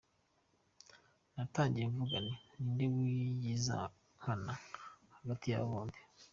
Natangiye mvuga nti ninde wigiza nkana hagati y’aba bombi.